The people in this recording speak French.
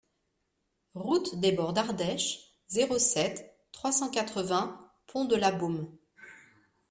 Route des Bords d'Ardèche, zéro sept, trois cent quatre-vingts Pont-de-Labeaume